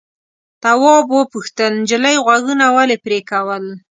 تواب وپوښتل نجلۍ غوږونه ولې پرې کول.